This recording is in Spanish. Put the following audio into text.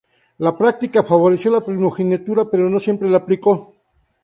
La práctica favoreció la primogenitura pero no siempre la aplicó.